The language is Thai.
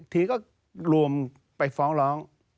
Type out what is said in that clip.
ทีก็รวมไปฟ้องร้อง